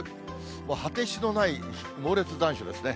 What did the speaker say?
もう果てしのない猛烈残暑ですね。